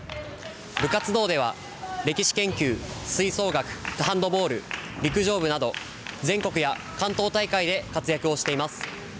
部活動では、歴史研究、吹奏楽ハンドボール、陸上部など全国や関東大会で活躍をしています。